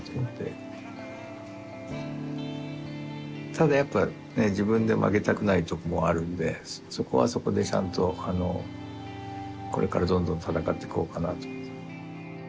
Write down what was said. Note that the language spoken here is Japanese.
ただやっぱね自分で負けたくないとこもあるんでそこはそこでちゃんとこれからどんどん闘ってこうかなと。